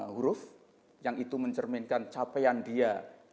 huruf yang itu mencerminkan capaian dia